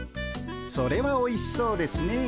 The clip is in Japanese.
それはおいしそうですねえ。